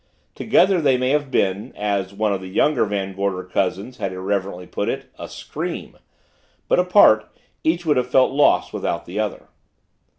Together they may have been, as one of the younger Van Gorder cousins had, irreverently put it, "a scream," but apart each would have felt lost without the other.